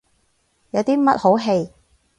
有啲乜好戯？